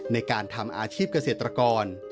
ในการทำอาชีพเกษตรกร